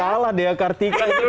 salah di akartika itu